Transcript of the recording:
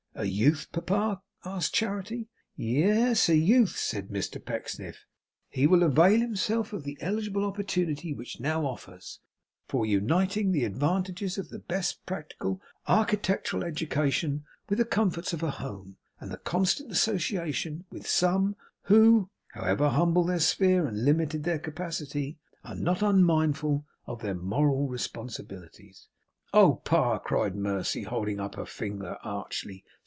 'A youth, papa?' asked Charity. 'Ye es, a youth,' said Mr Pecksniff. 'He will avail himself of the eligible opportunity which now offers, for uniting the advantages of the best practical architectural education with the comforts of a home, and the constant association with some who (however humble their sphere, and limited their capacity) are not unmindful of their moral responsibilities.' 'Oh Pa!' cried Mercy, holding up her finger archly.